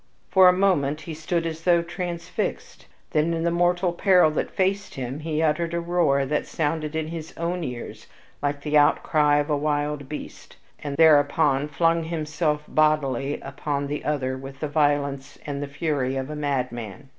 For a moment he stood as though transfixed; then in the mortal peril that faced him, he uttered a roar that sounded in his own ears like the outcry of a wild beast, and thereupon flung himself bodily upon the other with the violence and the fury of a madman.